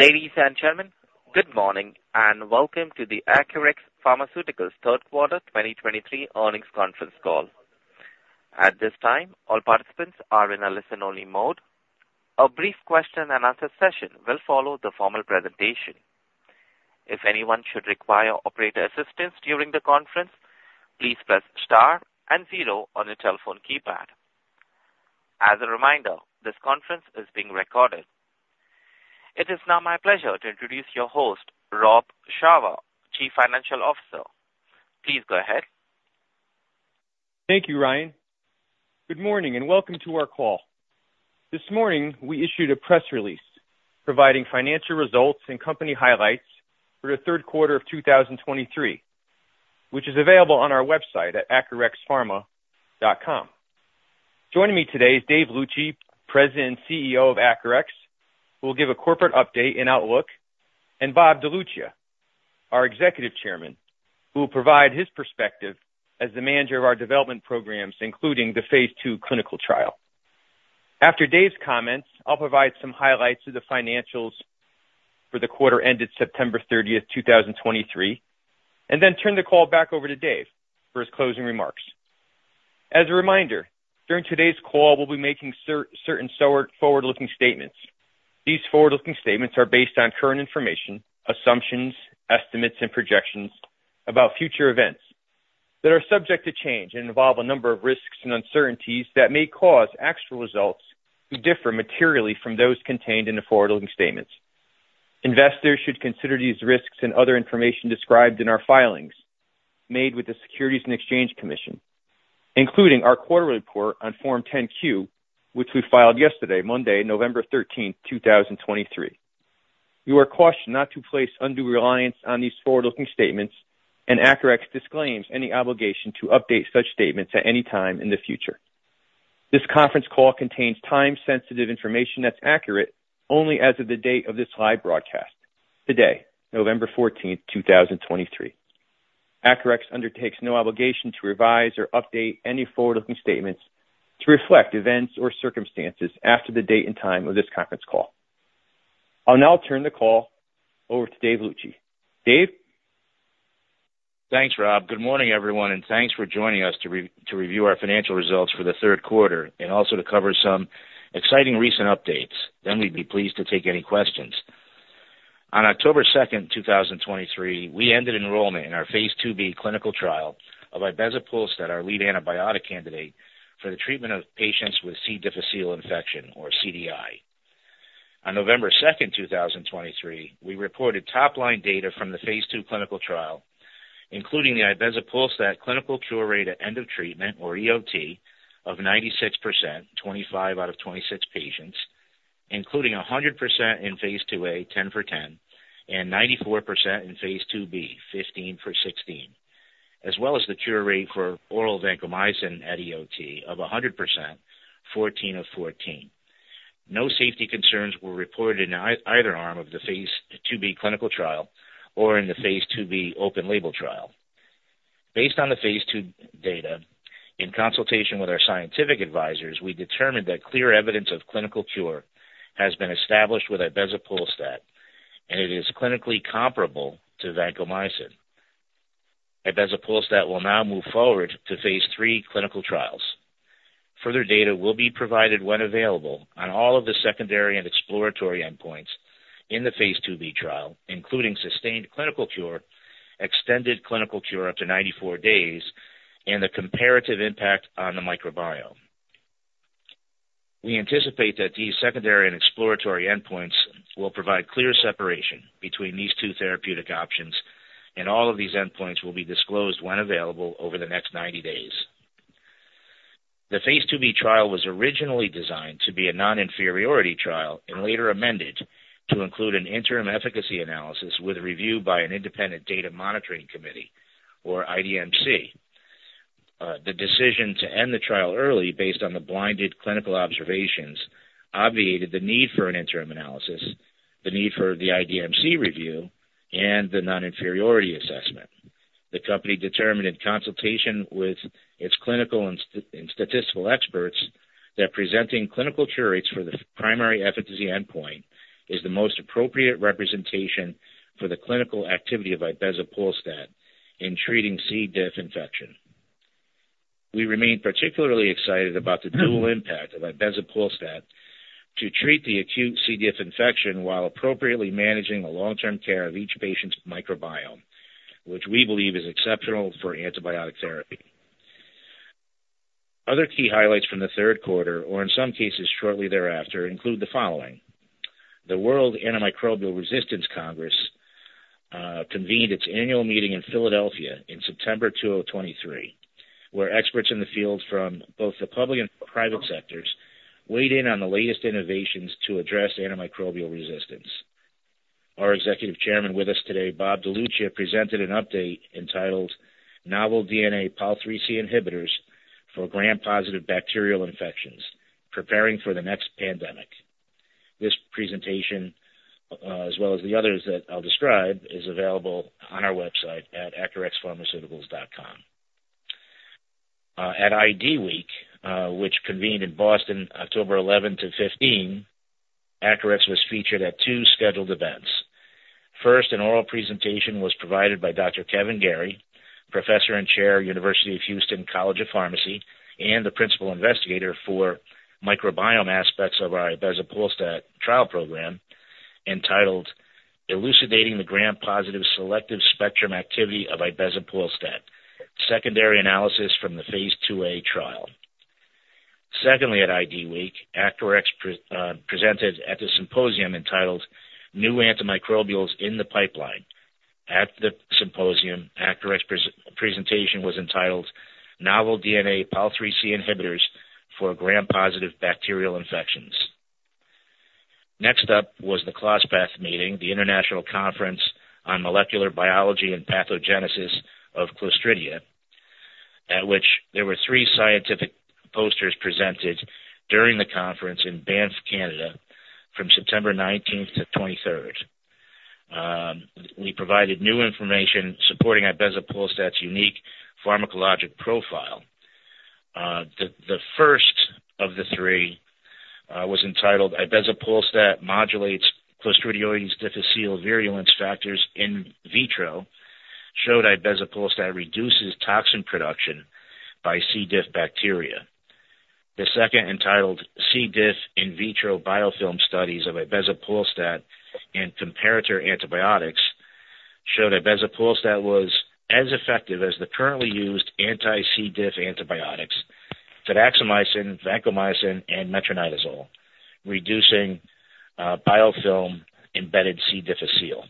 Ladies and gentlemen, good morning, and welcome to the Acurx Pharmaceuticals third quarter 2023 earnings conference call. At this time, all participants are in a listen-only mode. A brief question-and-answer session will follow the formal presentation. If anyone should require operator assistance during the conference, please press star and zero on your telephone keypad. As a reminder, this conference is being recorded. It is now my pleasure to introduce your host, Rob Shawah, Chief Financial Officer. Please go ahead. Thank you, Ryan. Good morning, and welcome to our call. This morning, we issued a press release providing financial results and company highlights for the third quarter of 2023, which is available on our website at acurxpharma.com. Joining me today is Dave Luci, President and CEO of Acurx, who will give a corporate update and outlook, and Bob DeLuccia, our Executive Chairman, who will provide his perspective as the manager of our development programs, including the phase II clinical trial. After Dave's comments, I'll provide some highlights of the financials for the quarter ended September 30th, 2023, and then turn the call back over to Dave for his closing remarks. As a reminder, during today's call, we'll be making certain forward-looking statements. These forward-looking statements are based on current information, assumptions, estimates, and projections about future events that are subject to change and involve a number of risks and uncertainties that may cause actual results to differ materially from those contained in the forward-looking statements. Investors should consider these risks and other information described in our filings made with the Securities and Exchange Commission, including our quarterly report on Form 10-Q, which we filed yesterday, Monday, November 13th, 2023. You are cautioned not to place undue reliance on these forward-looking statements, and Acurx disclaims any obligation to update such statements at any time in the future. This conference call contains time-sensitive information that's accurate only as of the date of this live broadcast, today, November 14th, 2023. Acurx undertakes no obligation to revise or update any forward-looking statements to reflect events or circumstances after the date and time of this conference call. I'll now turn the call over to Dave Luci. Dave? Thanks, Rob. Good morning, everyone, and thanks for joining us to to review our financial results for the third quarter and also to cover some exciting recent updates. Then we'd be pleased to take any questions. On October 2nd, 2023, we ended enrollment in our phase II-B clinical trial of ibezapolstat, our lead antibiotic candidate for the treatment of patients with C. difficile infection or CDI. On November 2nd, 2023, we reported top-line data from the phase II clinical trial, including the ibezapolstat clinical cure rate at end of treatment, or EOT, of 96%, 25 out of 26 patients, including 100% in phase II-A, 10 for 10, and 94% in phase II-B, 15 for 16, as well as the cure rate for oral vancomycin at EOT of 100%, 14 of 14. No safety concerns were reported in either arm of the phase II-B clinical trial or in the phase II-B open label trial. Based on the phase II data, in consultation with our scientific advisors, we determined that clear evidence of clinical cure has been established with ibezapolstat, and it is clinically comparable to vancomycin. Ibezapolstat will now move forward to phase III clinical trials. Further data will be provided when available on all of the secondary and exploratory endpoints in the phase II-B trial, including sustained clinical cure, extended clinical cure up to 94 days, and the comparative impact on the microbiome. We anticipate that these secondary and exploratory endpoints will provide clear separation between these two therapeutic options, and all of these endpoints will be disclosed when available over the next 90 days. The phase II-B trial was originally designed to be a non-inferiority trial and later amended to include an interim efficacy analysis with a review by an Independent Data Monitoring Committee, or IDMC. The decision to end the trial early, based on the blinded clinical observations, obviated the need for an interim analysis, the need for the IDMC review, and the non-inferiority assessment. The company determined, in consultation with its clinical and statistical experts, that presenting clinical cure rates for the primary efficacy endpoint is the most appropriate representation for the clinical activity of ibezapolstat in treating C. diff infection. We remain particularly excited about the dual impact of ibezapolstat to treat the acute C. diff infection while appropriately managing the long-term care of each patient's microbiome, which we believe is exceptional for antibiotic therapy. Other key highlights from the third quarter, or in some cases shortly thereafter, include the following: The World Antimicrobial Resistance Congress convened its annual meeting in Philadelphia in September 2023, where experts in the field from both the public and private sectors weighed in on the latest innovations to address antimicrobial resistance. Our Executive Chairman with us today, Bob DeLuccia, presented an update entitled Novel DNA pol IIIC Inhibitors for Gram-Positive Bacterial Infections, Preparing for the Next Pandemic. This presentation, as well as the others that I'll describe, is available on our website at acurxpharmaceuticals.com. At IDWeek, which convened in Boston, October 11-15, Acurx was featured at two scheduled events. First, an oral presentation was provided by Dr. Kevin Garey, Professor and Chair, University of Houston College of Pharmacy, and the principal investigator for microbiome aspects of our ibezapolstat trial program, entitled, Elucidating the Gram-Positive Selective Spectrum Activity of Ibezapolstat, Secondary Analysis from the phase II-A trial. Secondly, at IDWeek, Acurx presented at the symposium entitled New Antimicrobials in the Pipeline. At the symposium, Acurx presentation was entitled Novel DNA pol IIIC Inhibitors for Gram-Positive Bacterial Infections. Next up was the ClostPath meeting, the International Conference on Molecular Biology and Pathogenesis of Clostridia, at which there were three scientific posters presented during the conference in Banff, Canada, from September 19 to 23. We provided new information supporting ibezapolstat's unique pharmacologic profile. The first of the three was entitled, Ibezapolstat modulates Clostridioides difficile virulence factors in vitro, showed ibezapolstat reduces toxin production by C. diff bacteria. The second, entitled C. diff in Vitro Biofilm Studies of Ibezapolstat and Comparator Antibiotics showed ibezapolstat was as effective as the currently used anti-C. diff antibiotics, fidaxomicin, vancomycin, and metronidazole, reducing biofilm-embedded C. difficile.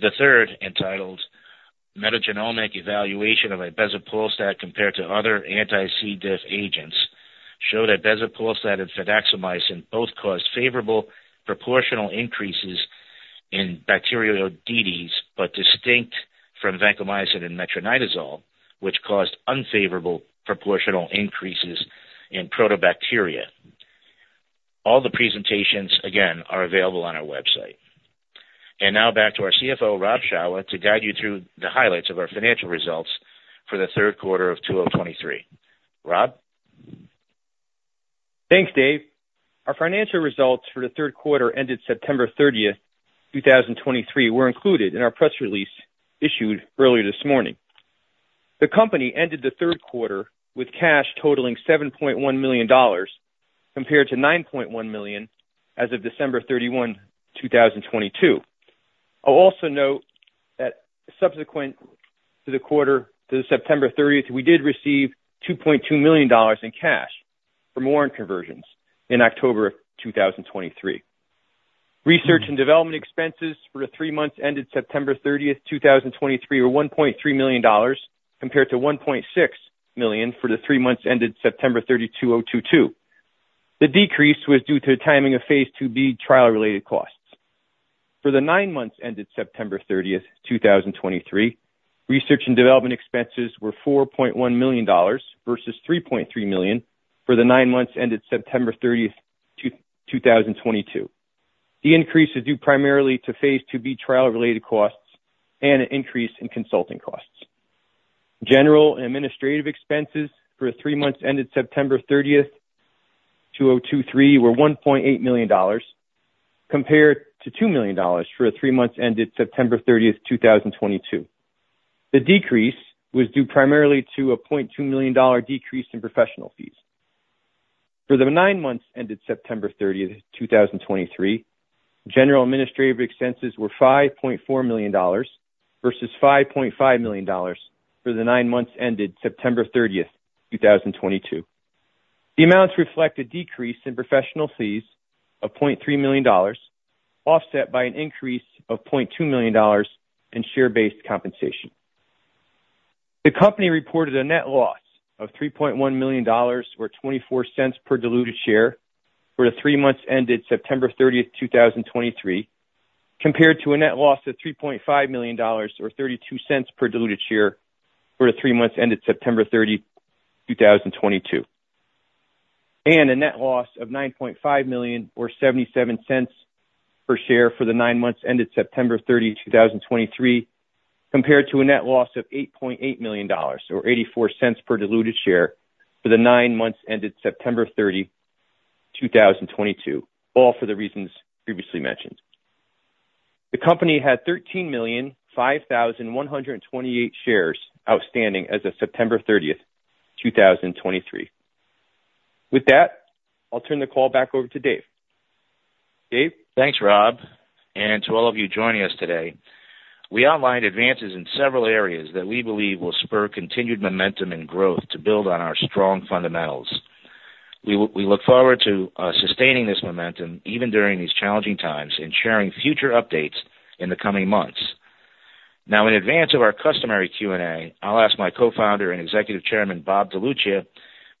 The third, entitled Metagenomic Evaluation of Ibezapolstat Compared to Other Anti-C. diff Agents, showed ibezapolstat and fidaxomicin both caused favorable proportional increases in Bacteroidetes, but distinct from vancomycin and metronidazole, which caused unfavorable proportional increases in Proteobacteria. All the presentations, again, are available on our website. And now back to our CFO, Rob Shawah, to guide you through the highlights of our financial results for the third quarter of 2023. Rob? Thanks, Dave. Our financial results for the third quarter ended September 30th, 2023, were included in our press release issued earlier this morning. The company ended the third quarter with cash totaling $7.1 million, compared to $9.1 million as of December 31, 2022. I'll also note that subsequent to the quarter, to the September 30, we did receive $2.2 million in cash from warrant conversions in October of 2023. Research and development expenses for the three months ended September 30th, 2023, were $1.3 million, compared to $1.6 million for the three months ended September 30, 2022. The decrease was due to the timing of phase II-B trial-related costs. For the nine months ended September 30th, 2023, research and development expenses were $4.1 million versus $3.3 million for the nine months ended September 30, 2022. The increase is due primarily to phase II-B trial-related costs and an increase in consulting costs. General and administrative expenses for the three months ended September 30th, 2023, were $1.8 million, compared to $2 million for the three months ended September 30th, 2022. The decrease was due primarily to a $0.2 million decrease in professional fees. For the nine months ended September 30th, 2023, general and administrative expenses were $5.4 million versus $5.5 million for the nine months ended September 30th, 2022. The amounts reflect a decrease in professional fees of $0.3 million, offset by an increase of $0.2 million in share-based compensation. The company reported a net loss of $3.1 million, or $0.24 per diluted share, for the three months ended September 30th, 2023, compared to a net loss of $3.5 million, or $0.32 per diluted share, for the three months ended September 30, 2022. A net loss of $9.5 million or $0.77 per share for the nine months ended September 30, 2023, compared to a net loss of $8.8 million, or $0.84 per diluted share for the nine months ended September 30, 2022, all for the reasons previously mentioned. The company had 13,005,128 shares outstanding as of September 30th, 2023. With that, I'll turn the call back over to Dave. Dave? Thanks, Rob, and to all of you joining us today. We outlined advances in several areas that we believe will spur continued momentum and growth to build on our strong fundamentals. We, we look forward to sustaining this momentum, even during these challenging times, and sharing future updates in the coming months. Now, in advance of our customary Q&A, I'll ask my Co-founder and Executive Chairman, Bob DeLuccia,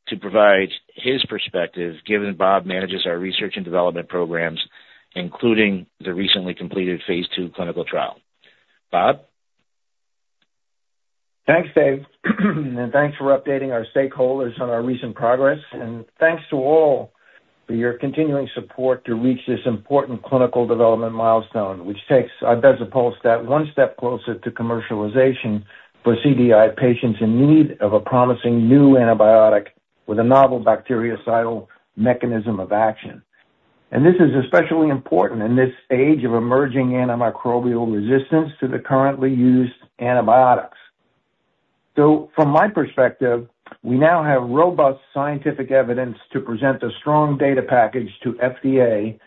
to provide his perspective, given Bob manages our research and development programs, including the recently completed phase II clinical trial. Bob? Thanks, Dave, and thanks for updating our stakeholders on our recent progress, and thanks to all-... for your continuing support to reach this important clinical development milestone, which takes ibezapolstat one step closer to commercialization for CDI patients in need of a promising new antibiotic with a novel bactericidal mechanism of action. This is especially important in this age of emerging antimicrobial resistance to the currently used antibiotics. From my perspective, we now have robust scientific evidence to present a strong data package to FDA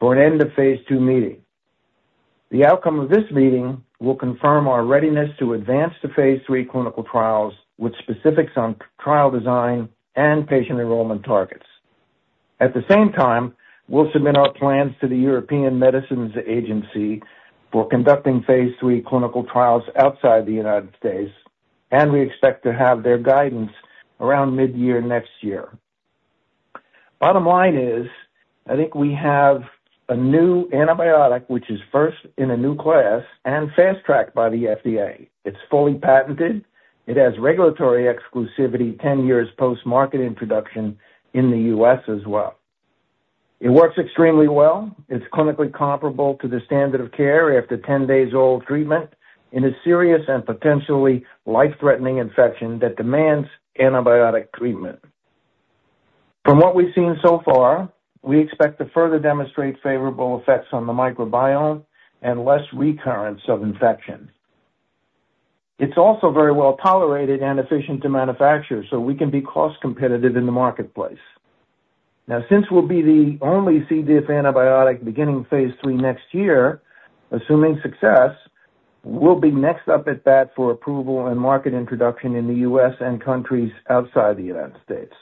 for an End-of-Phase 2 meeting. The outcome of this meeting will confirm our readiness to advance to phase III clinical trials, with specifics on trial design and patient enrollment targets. At the same time, we'll submit our plans to the European Medicines Agency for conducting phase III clinical trials outside the United States, and we expect to have their guidance around mid-year next year. Bottom line is, I think we have a new antibiotic, which is first in a new class and fast-tracked by the FDA. It's fully patented. It has regulatory exclusivity, 10 years post-market introduction in the U.S. as well. It works extremely well. It's clinically comparable to the standard of care after 10 days of treatment in a serious and potentially life-threatening infection that demands antibiotic treatment. From what we've seen so far, we expect to further demonstrate favorable effects on the microbiome and less recurrence of infection. It's also very well tolerated and efficient to manufacture, so we can be cost competitive in the marketplace. Now, since we'll be the only C. diff antibiotic beginning phase III next year, assuming success, we'll be next up at bat for approval and market introduction in the U.S. and countries outside the United States.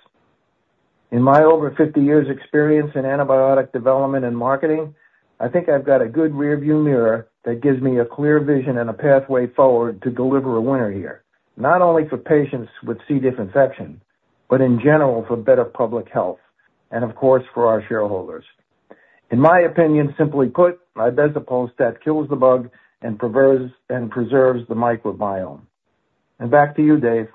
In my over 50 years' experience in antibiotic development and marketing, I think I've got a good rearview mirror that gives me a clear vision and a pathway forward to deliver a winner here, not only for patients with C. diff infection, but in general for better public health and, of course, for our shareholders. In my opinion, simply put, ibezapolstat kills the bug and preserves, and preserves the microbiome. And back to you, Dave.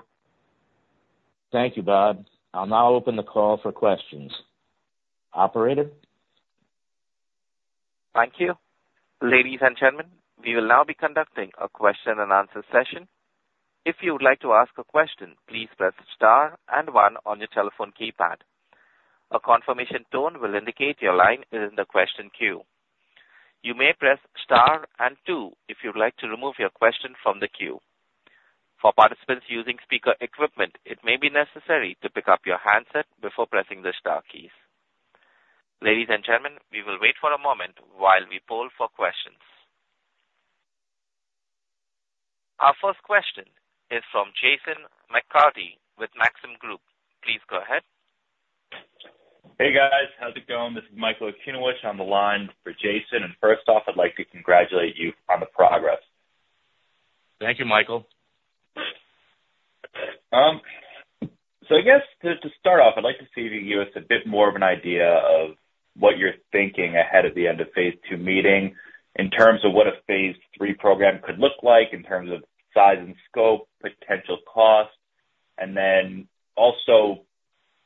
Thank you, Bob. I'll now open the call for questions. Operator? Thank you. Ladies and gentlemen, we will now be conducting a question-and-answer session. If you would like to ask a question, please press star and one on your telephone keypad. A confirmation tone will indicate your line is in the question queue. You may press star and two if you'd like to remove your question from the queue. For participants using speaker equipment, it may be necessary to pick up your handset before pressing the star keys. Ladies and gentlemen, we will wait for a moment while we poll for questions. Our first question is from Jason McCarthy with Maxim Group. Please go ahead. Hey, guys. How's it going? This is Michael Okunewitch on the line for Jason, and first off, I'd like to congratulate you on the progress. Thank you, Michael. So I guess to start off, I'd like to see if you give us a bit more of an idea of what you're thinking ahead of the End-of-Phase 2 meeting, in terms of what a phase III program could look like, in terms of size and scope, potential cost, and then also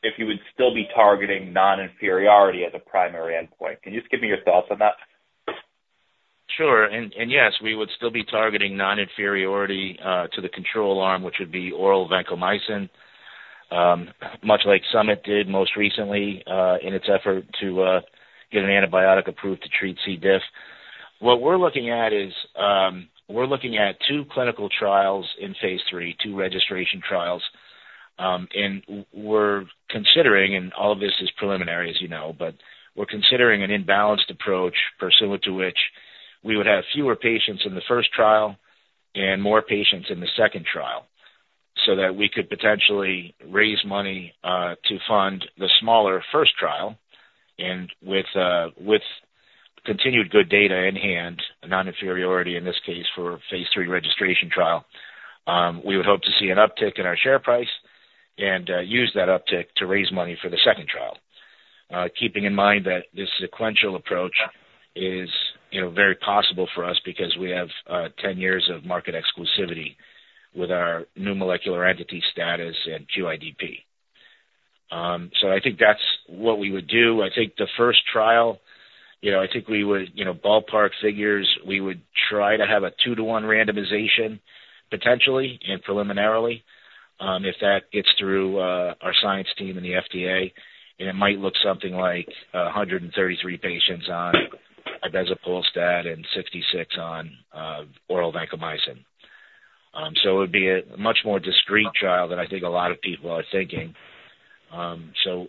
if you would still be targeting non-inferiority as a primary endpoint. Can you just give me your thoughts on that? Sure. And yes, we would still be targeting non-inferiority to the control arm, which would be oral vancomycin, much like Summit did most recently in its effort to get an antibiotic approved to treat C. diff. What we're looking at is, we're looking at two clinical trials in phase III, two registration trials. We're considering, and all of this is preliminary, as you know, but we're considering an imbalanced approach pursuant to which we would have fewer patients in the first trial and more patients in the second trial, so that we could potentially raise money to fund the smaller first trial. And with continued good data in hand, non-inferiority, in this case, for phase III registration trial, we would hope to see an uptick in our share price and use that uptick to raise money for the second trial. Keeping in mind that this sequential approach is, you know, very possible for us because we have 10 years of market exclusivity with our new molecular entity status and QIDP. So I think that's what we would do. I think the first trial, you know, I think we would, you know, ballpark figures, we would try to have a two-to-one randomization, potentially and preliminarily, if that gets through our science team and the FDA, and it might look something like 133 patients on ibezapolstat and 66 on oral vancomycin. So it would be a much more discreet trial than I think a lot of people are thinking. So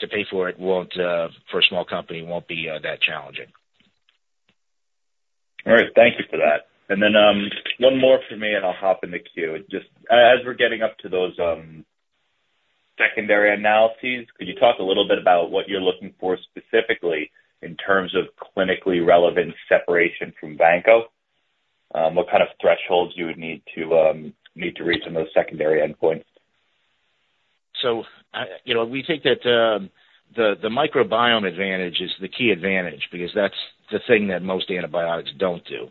to pay for it won't, for a small company, won't be that challenging. All right. Thank you for that. Then, one more from me, and I'll hop in the queue. Just as we're getting up to those, secondary analyses, could you talk a little bit about what you're looking for specifically in terms of clinically relevant separation from vanco? What kind of thresholds you would need to reach in those secondary endpoints? So, you know, we think that the microbiome advantage is the key advantage, because that's the thing that most antibiotics don't do. ...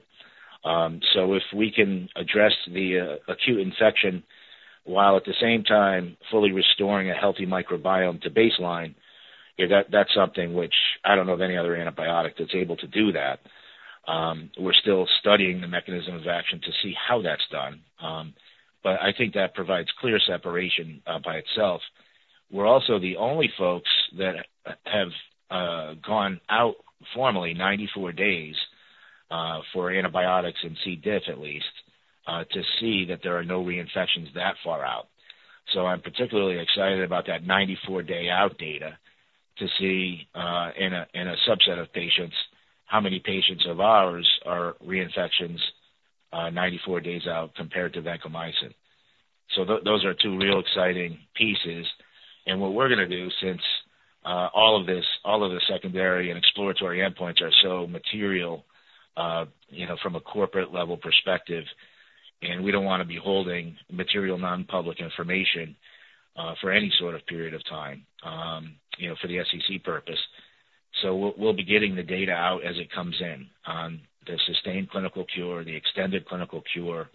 So if we can address the acute infection while at the same time fully restoring a healthy microbiome to baseline, yeah, that's something which I don't know of any other antibiotic that's able to do that. We're still studying the mechanism of action to see how that's done, but I think that provides clear separation by itself. We're also the only folks that have gone out formally 94 days for antibiotics in C. diff, at least, to see that there are no reinfections that far out. So I'm particularly excited about that 94-day out data to see in a subset of patients how many patients of ours are reinfections 94 days out compared to vancomycin. So those are two real exciting pieces. What we're gonna do, since all of this, all of the secondary and exploratory endpoints are so material, you know, from a corporate level perspective, and we don't want to be holding material, non-public information, for any sort of period of time, you know, for the SEC purpose. So we'll be getting the data out as it comes in on the sustained clinical cure, the extended clinical cure,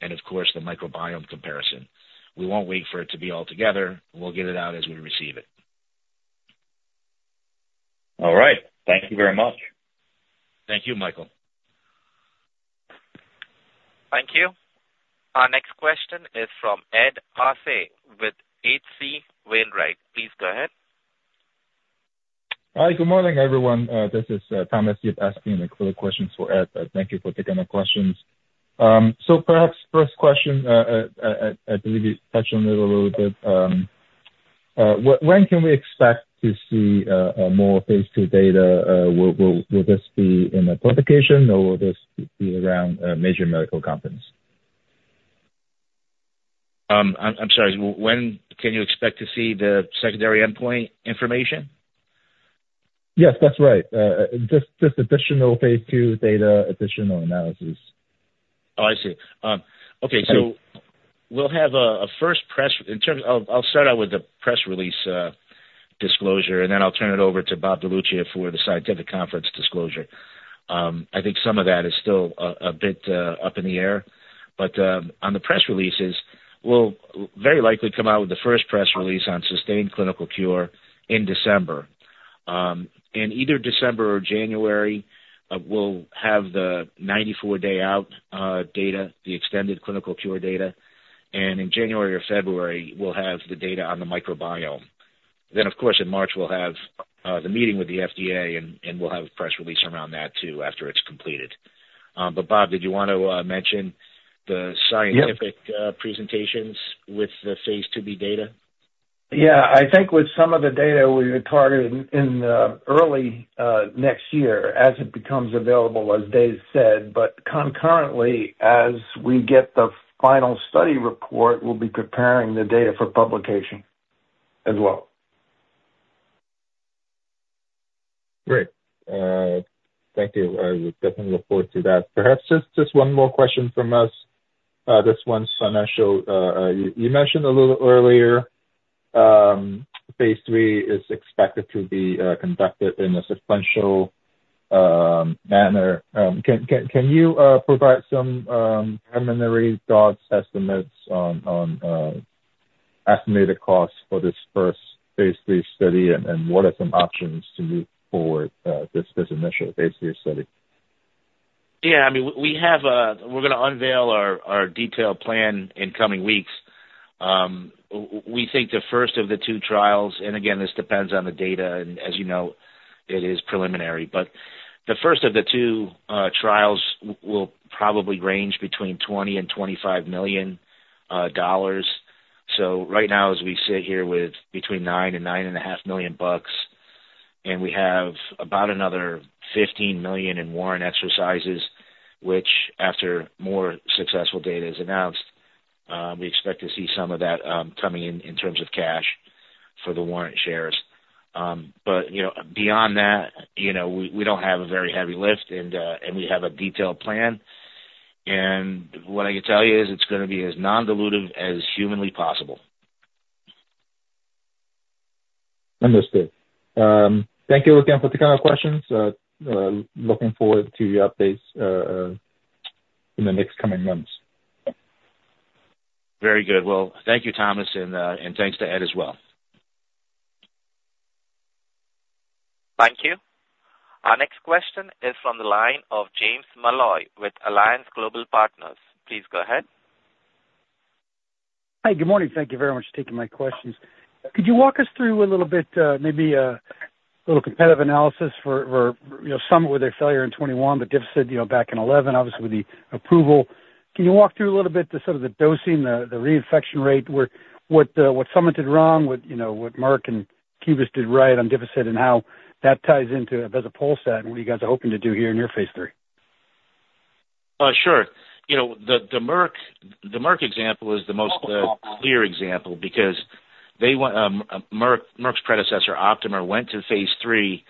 and of course, the microbiome comparison. We won't wait for it to be all together. We'll get it out as we receive it. All right. Thank you very much. Thank you, Michael. Thank you. Our next question is from Ed Arce with H.C. Wainwright. Please go ahead. Hi. Good morning, everyone. This is Thomas Yip, and a clear question for Ed. Thank you for taking my questions. Perhaps first question, I believe you touched on it a little bit. When can we expect to see more phase II data? Will this be in a publication or will this be around major medical conference? I'm sorry, when can you expect to see the secondary endpoint information? Yes, that's right. Just additional phase II data, additional analysis. Oh, I see. Okay. Thank you. I'll start out with the press release disclosure, and then I'll turn it over to Bob DeLuccia for the scientific conference disclosure. I think some of that is still a bit up in the air. But on the press releases, we'll very likely come out with the first press release on sustained clinical cure in December. In either December or January, we'll have the 94-day out data, the extended clinical cure data, and in January or February, we'll have the data on the microbiome. Then, of course, in March, we'll have the meeting with the FDA, and we'll have a press release around that too, after it's completed. But Bob, did you want to mention the scientific Yep. - presentations with the phase II-B data? Yeah. I think with some of the data, we targeted in early next year as it becomes available, as Dave said, but concurrently, as we get the final study report, we'll be preparing the data for publication as well. Great. Thank you. I will definitely look forward to that. Perhaps just one more question from us. This one's financial. You mentioned a little earlier, phase III is expected to be conducted in a sequential manner. Can you provide some preliminary thoughts, estimates on estimated costs for this first phase III study? And what are some options to move forward this initial phase III study? Yeah, I mean, we have... We're gonna unveil our detailed plan in coming weeks. We think the first of the two trials, and again, this depends on the data, and as you know, it is preliminary, but the first of the two trials will probably range between $20 million and $25 million dollars. So right now, as we sit here with between $9 million and $9.5 million bucks, and we have about another $15 million in warrant exercises, which after more successful data is announced, we expect to see some of that coming in, in terms of cash for the warrant shares. But, you know, beyond that, you know, we don't have a very heavy lift and, and we have a detailed plan. What I can tell you is it's gonna be as non-dilutive as humanly possible. Understood. Thank you again for taking our questions. Looking forward to your updates in the next coming months. Very good. Well, thank you, Thomas, and and thanks to Ed as well. Thank you. Our next question is from the line of James Molloy with Alliance Global Partners. Please go ahead. Hi. Good morning. Thank you very much for taking my questions. Could you walk us through a little bit, maybe, a little competitive analysis for, for, you know, Summit with their failure in 2021, but Dificid, you know, back in 2011, obviously with the approval. Can you walk through a little bit the sort of the dosing, the, the reinfection rate, where, what, what Summit went wrong, what, you know, what Merck and Cubist did right on Dificid and how that ties into ibezapolstat, and what you guys are hoping to do here in your phase III? Sure. You know, the Merck example is the most clear example because they went, Merck's predecessor, Optimer, went to phase III,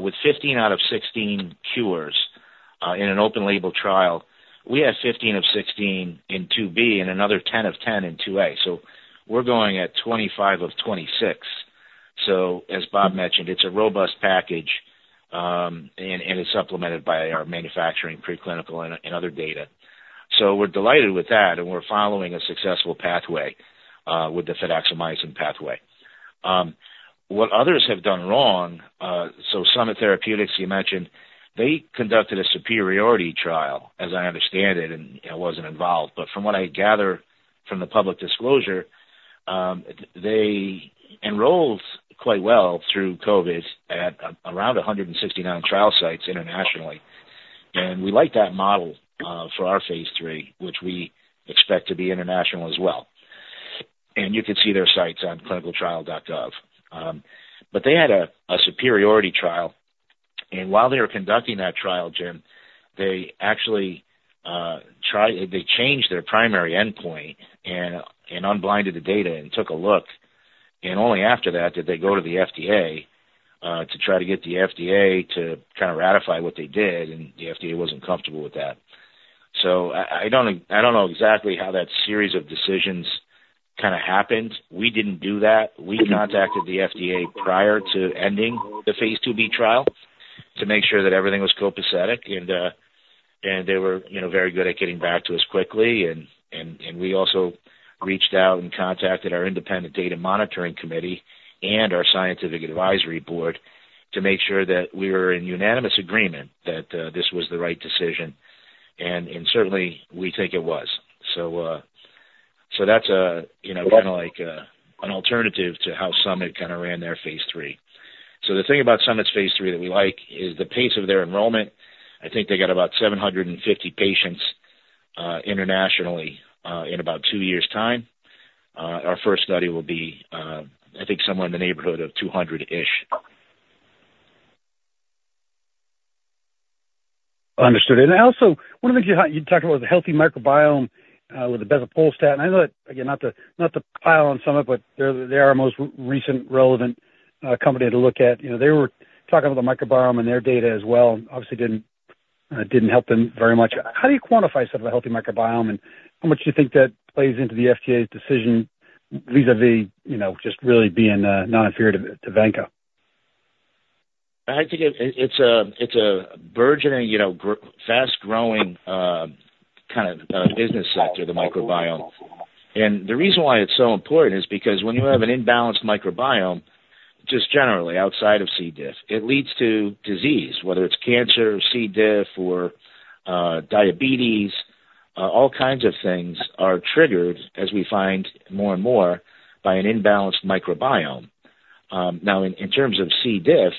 with 15 out of 16 cures, in an open label trial. We had 15 of 16 in phase II-B and another 10 of 10 in phase II-A, so we're going at 25 of 26.... So as Bob mentioned, it's a robust package, and it's supplemented by our manufacturing, preclinical, and other data. So we're delighted with that, and we're following a successful pathway, with the fidaxomicin pathway. What others have done wrong, so Summit Therapeutics, you mentioned, they conducted a superiority trial, as I understand it, and I wasn't involved, but from what I gather from the public disclosure, they enrolled quite well through COVID at around 169 trial sites internationally. And we like that model for our phase III, which we expect to be international as well. And you can see their sites on ClinicalTrials.gov. But they had a superiority trial, and while they were conducting that trial, James, they actually they changed their primary endpoint and unblinded the data and took a look. And only after that, did they go to the FDA to try to get the FDA to kind of ratify what they did, and the FDA wasn't comfortable with that. So I don't know exactly how that series of decisions kind of happened. We didn't do that. We contacted the FDA prior to ending the phase II-B trial to make sure that everything was copacetic. And they were, you know, very good at getting back to us quickly. And we also reached out and contacted our Independent Data Monitoring Committee and our Scientific Advisory Board to make sure that we were in unanimous agreement that this was the right decision. And certainly we think it was. So that's a, you know, kind of like an alternative to how Summit kind of ran their phase III. So the thing about Summit's phase III that we like is the pace of their enrollment. I think they got about 750 patients, internationally, in about two years' time. Our first study will be, I think, somewhere in the neighborhood of 200-ish. Understood. And also, one of the things you talked about was the healthy microbiome with the ibezapolstat. And I know that, again, not to, not to pile on some of it, but they're, they are our most recent relevant company to look at. You know, they were talking about the microbiome and their data as well, obviously didn't help them very much. How do you quantify sort of a healthy microbiome? And how much do you think that plays into the FDA's decision vis-à-vis, you know, just really being non-inferior to vanco? I think it's a burgeoning, you know, fast-growing kind of business sector, the microbiome. And the reason why it's so important is because when you have an imbalanced microbiome, just generally outside of C. diff, it leads to disease, whether it's cancer or C. diff or diabetes. All kinds of things are triggered, as we find more and more, by an imbalanced microbiome. Now, in terms of C. diff,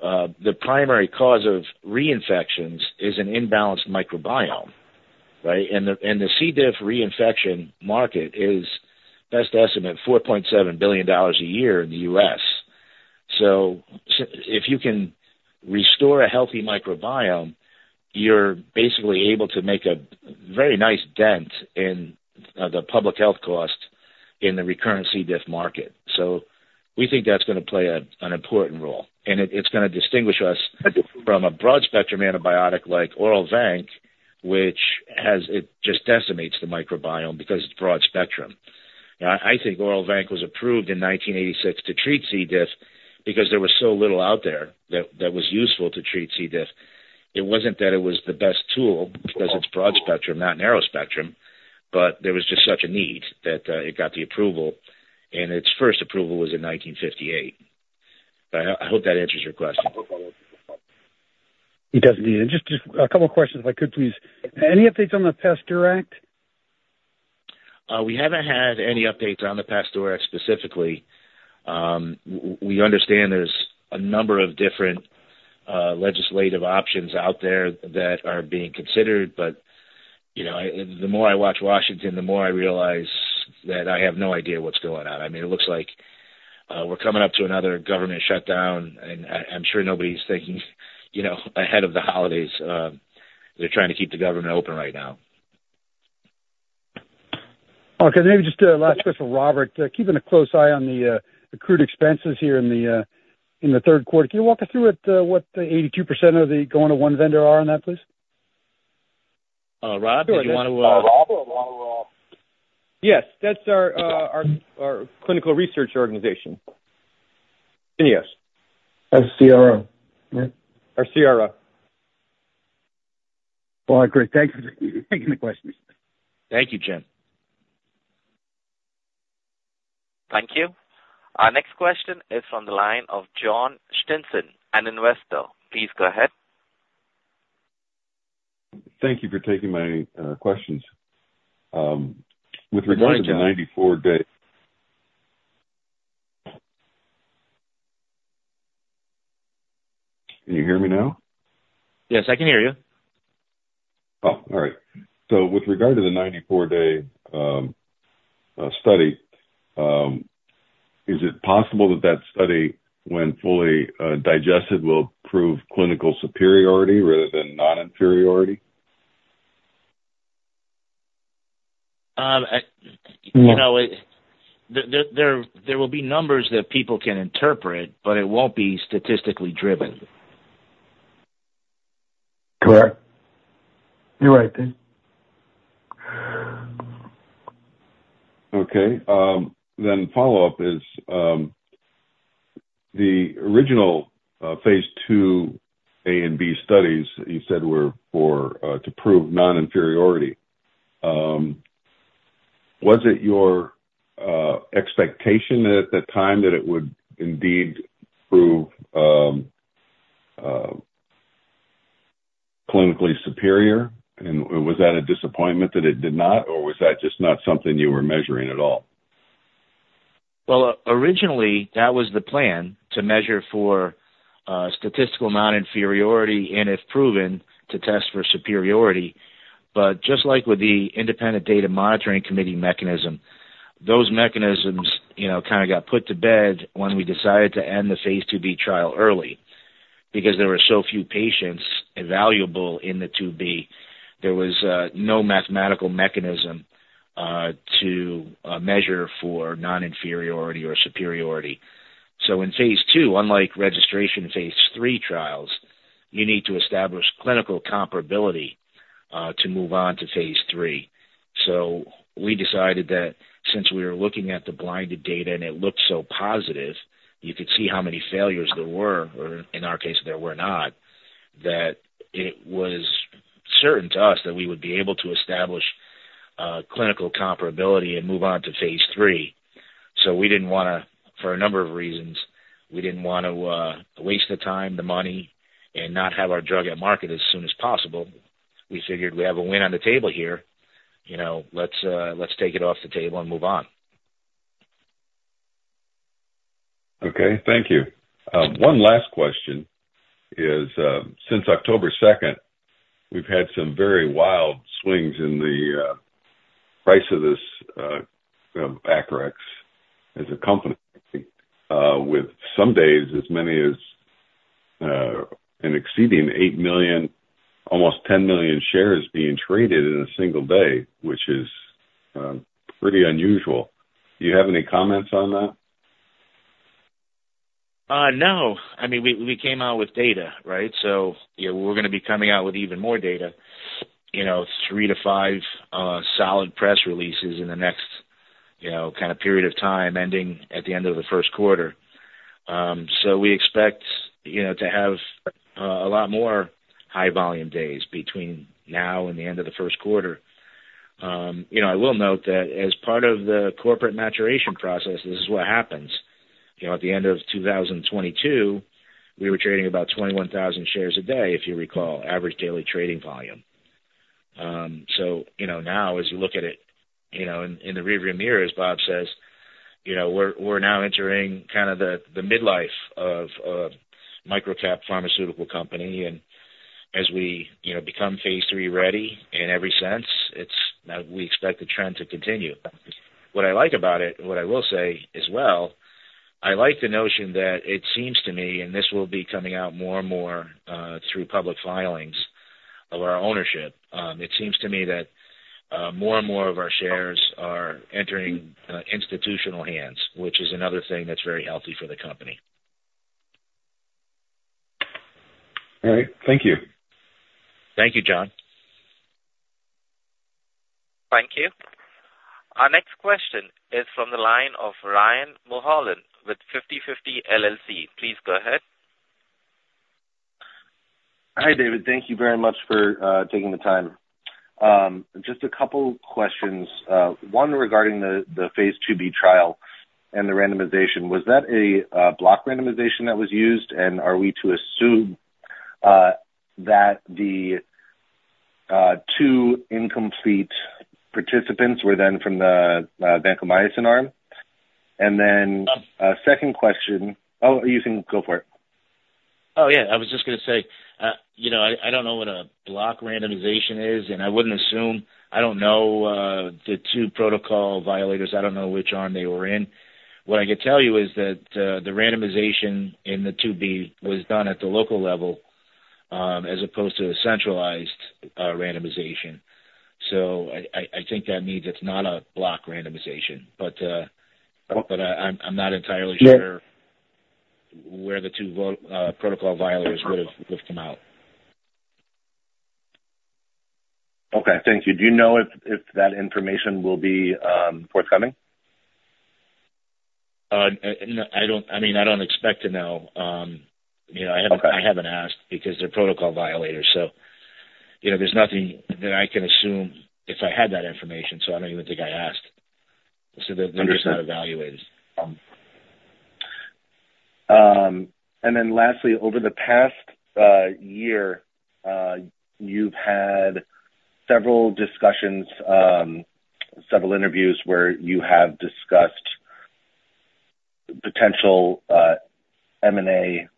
the primary cause of reinfections is an imbalanced microbiome, right? And the C. diff reinfection market is, best estimate, $4.7 billion a year in the U.S. So if you can restore a healthy microbiome, you're basically able to make a very nice dent in the public health cost in the recurrent C. diff market. So we think that's gonna play an important role, and it's gonna distinguish us from a broad-spectrum antibiotic like oral vanc, which has... It just decimates the microbiome because it's broad spectrum. Now, I think oral vanc was approved in 1986 to treat C. diff because there was so little out there that was useful to treat C. diff. It wasn't that it was the best tool, because it's broad spectrum, not narrow spectrum, but there was just such a need that it got the approval, and its first approval was in 1958. But I hope that answers your question. It does indeed. And just, just a couple of questions if I could, please. Any updates on the PASTEUR Act? We haven't had any updates on the PASTEUR Act specifically. We understand there's a number of different legislative options out there that are being considered. But, you know, I... The more I watch Washington, the more I realize that I have no idea what's going on. I mean, it looks like we're coming up to another government shutdown, and I, I'm sure nobody's thinking, you know, ahead of the holidays. They're trying to keep the government open right now. Okay, maybe just last question for Robert. Keeping a close eye on the accrued expenses here in the third quarter. Can you walk us through what the 82% of that going to one vendor are on that, please? Rob, do you want to? Yes, that's our Clinical Research Organization. Yes. Our CRO, right? Our CRO. Well, great. Thank you for taking the questions. Thank you, James. Thank you. Our next question is from the line of John Stinson, an investor. Please go ahead. Thank you for taking my questions. With regard to the 94 day- Can you hear me now? Yes, I can hear you. Oh, all right. So with regard to the 94-day study, is it possible that that study, when fully digested, will prove clinical superiority rather than non-inferiority? You know, there will be numbers that people can interpret, but it won't be statistically driven. Correct. You're right, then. Okay. Then follow-up is, the original, phase II-A and B studies you said were for, to prove non-inferiority. Was it your expectation at that time that it would indeed prove, clinically superior? And was that a disappointment that it did not, or was that just not something you were measuring at all? Well, originally, that was the plan, to measure for statistical non-inferiority and if proven, to test for superiority. But just like with the Independent Data Monitoring Committee mechanism, those mechanisms, you know, kind of got put to bed when we decided to end the phase II-B trial early. Because there were so few patients evaluable in the II-B, there was no mathematical mechanism to measure for non-inferiority or superiority. So in phase II, unlike registration phase III trials, you need to establish clinical comparability to move on to phase III. So we decided that since we were looking at the blinded data and it looked so positive, you could see how many failures there were, or in our case, there were not, that it was certain to us that we would be able to establish, clinical comparability and move on to phase III. So we didn't want to, for a number of reasons, we didn't want to, waste the time, the money and not have our drug at market as soon as possible. We figured we have a win on the table here, you know, let's, let's take it off the table and move on. Okay. Thank you. One last question is, since October 2nd, we've had some very wild swings in the price of this of Acurx as a company, with some days, as many as, an exceeding 8 million, almost 10 million shares being traded in a single day, which is, pretty unusual. Do you have any comments on that? No. I mean, we came out with data, right? So, you know, we're gonna be coming out with even more data, you know, three to five solid press releases in the next, you know, kind of period of time, ending at the end of the first quarter. So we expect, you know, to have a lot more high volume days between now and the end of the first quarter. You know, I will note that as part of the corporate maturation process, this is what happens. You know, at the end of 2022, we were trading about 21,000 shares a day, if you recall, average daily trading volume. So you know, now as you look at it, you know, in the rearview mirror, as Bob says, you know, we're now entering kind of the midlife of a micro cap pharmaceutical company. And as we, you know, become phase III ready in every sense, it's we expect the trend to continue. What I like about it, and what I will say as well, I like the notion that it seems to me, and this will be coming out more and more through public filings of our ownership. It seems to me that more and more of our shares are entering institutional hands, which is another thing that's very healthy for the company. All right. Thank you. Thank you, John. Thank you. Our next question is from the line of Ryan Mulholland with Fifty-Fifty LLC. Please go ahead. Hi, David. Thank you very much for taking the time. Just a couple questions. One regarding the phase II-B trial and the randomization. Was that a block randomization that was used? And are we to assume that the two incomplete participants were then from the vancomycin arm? And then a second question... Oh, you can go for it. Oh, yeah, I was just gonna say, you know, I don't know what a block randomization is, and I wouldn't assume I don't know the two protocol violators. I don't know which arm they were in. What I could tell you is that, the randomization in the II-B was done at the local level, as opposed to a centralized randomization. So I think that means it's not a block randomization, but, but, I'm not entirely sure where the two protocol violators would have come out. Okay, thank you. Do you know if that information will be forthcoming? No, I don't. I mean, I don't expect to know. You know, I haven't- Okay. I haven't asked because they're protocol violators, so, you know, there's nothing that I can assume if I had that information, so I don't even think I asked. So they're just not evaluated. And then lastly, over the past year, you've had several discussions, several interviews where you have discussed potential M&A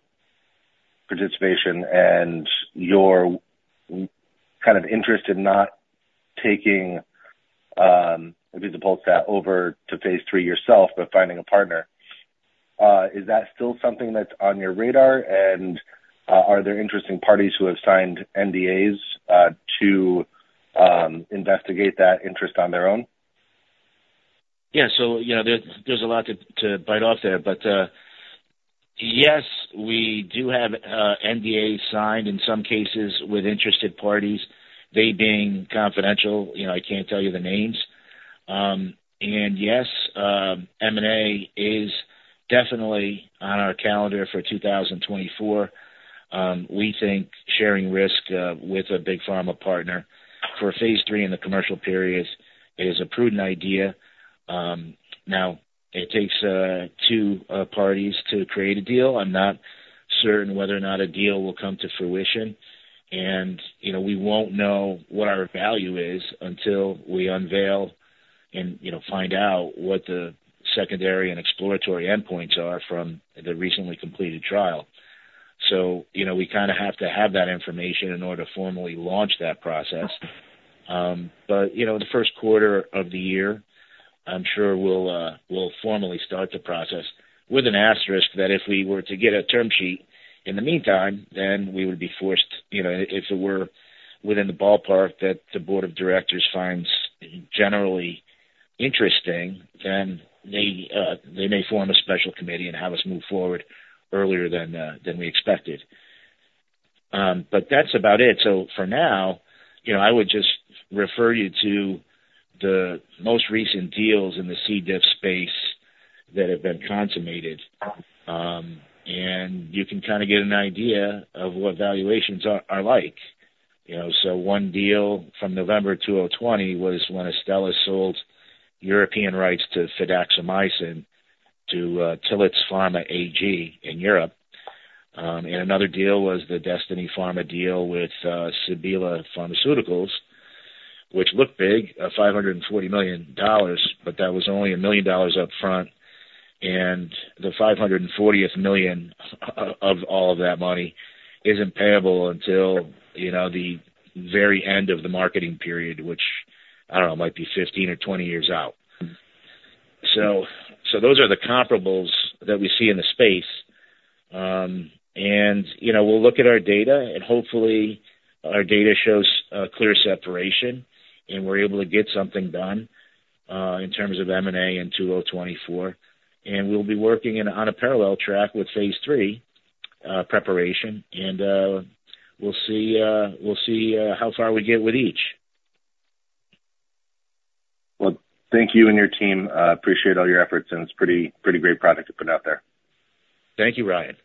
participation and your kind of interest in not taking ibezapolstat over to phase III yourself, but finding a partner. Is that still something that's on your radar? And are there interesting parties who have signed NDAs to investigate that interest on their own? Yeah. So, you know, there's, there's a lot to, to bite off there, but... Yes, we do have NDAs signed in some cases with interested parties. They being confidential, you know, I can't tell you the names. And yes, M&A is definitely on our calendar for 2024. We think sharing risk with a big pharma partner for phase III in the commercial periods is a prudent idea. Now it takes two parties to create a deal. I'm not certain whether or not a deal will come to fruition, and, you know, we won't know what our value is until we unveil and, you know, find out what the secondary and exploratory endpoints are from the recently completed trial. So, you know, we kind of have to have that information in order to formally launch that process. But, you know, the first quarter of the year, I'm sure we'll, we'll formally start the process with an asterisk that if we were to get a term sheet in the meantime, then we would be forced, you know, if it were within the ballpark that the Board of Directors finds generally interesting, then they, they may form a special committee and have us move forward earlier than, than we expected. But that's about it. So for now, you know, I would just refer you to the most recent deals in the C. diff space that have been consummated. And you can kind of get an idea of what valuations are, are like. You know, so one deal from November 2020 was when Astellas sold European rights to fidaxomicin to, Tillotts Pharma AG in Europe. And another deal was the Destiny Pharma deal with Sebela Pharmaceuticals, which looked big, $540 million, but that was only $1 million up front. And the 540 million of all of that money isn't payable until, you know, the very end of the marketing period, which I don't know, might be 15 or 20 years out. So those are the comparables that we see in the space. And, you know, we'll look at our data, and hopefully our data shows a clear separation, and we're able to get something done in terms of M&A in 2024. And we'll be working in on a parallel track with phase III preparation, and we'll see how far we get with each. Well, thank you and your team. Appreciate all your efforts, and it's pretty, pretty great product to put out there. Thank you, Ryan.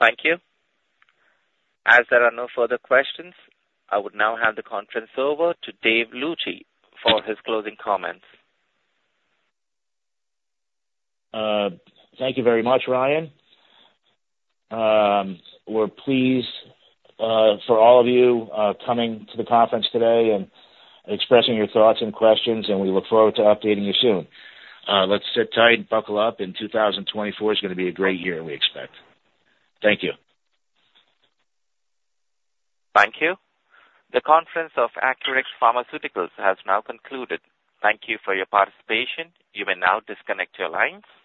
Thank you. As there are no further questions, I would now hand the conference over to Dave Luci for his closing comments. Thank you very much, Ryan. We're pleased, for all of you, coming to the conference today and expressing your thoughts and questions, and we look forward to updating you soon. Let's sit tight, buckle up, and 2024 is gonna be a great year, we expect. Thank you. Thank you. The conference of Acurx Pharmaceuticals has now concluded. Thank you for your participation. You may now disconnect your lines.